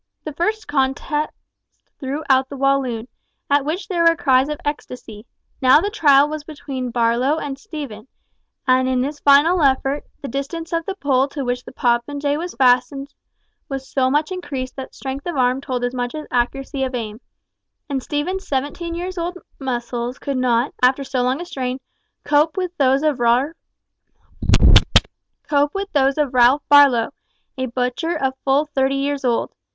The first contest threw out the Walloon, at which there were cries of ecstasy; now the trial was between Barlow and Stephen, and in this final effort, the distance of the pole to which the popinjay was fastened was so much increased that strength of arm told as much as accuracy of aim, and Stephen's seventeen years' old muscles could not, after so long a strain, cope with those of Ralph Barlow, a butcher of full thirty years old.